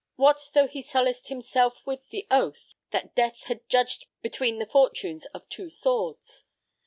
What though he solaced himself with the oath that death had judged between the fortunes of two swords?